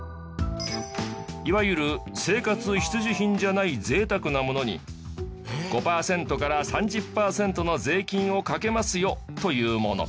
いわゆる生活必需品じゃない贅沢なものに５パーセントから３０パーセントの税金をかけますよというもの。